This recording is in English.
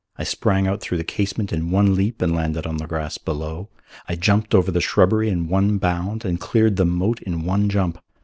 I sprang out through the casement in one leap and landed on the grass below. I jumped over the shrubbery in one bound and cleared the moat in one jump.